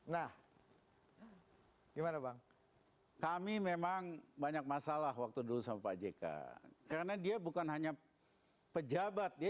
nah gimana bang kami memang banyak masalah waktu dulu sama pak jk karena dia bukan hanya pejabat dia